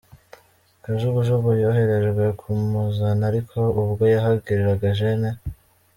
Kajugujugu yoherejwe kumuzana ariko ubwo yahageraga, Gen.